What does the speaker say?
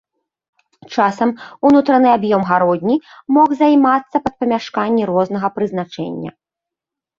Часам унутраны аб'ём гародні мог займацца пад памяшканні рознага прызначэння.